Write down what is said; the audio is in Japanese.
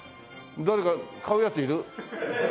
誰か買うヤツいる？